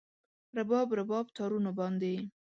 رباب، رباب تارونو باندې